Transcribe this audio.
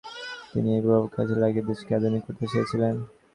তিনি এই প্রভাব কাজে লাগিয়ে দেশকে আধুনিক করতে চেয়েছিলেন।